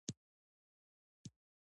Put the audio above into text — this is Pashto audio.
رسوب د افغان ماشومانو د زده کړې موضوع ده.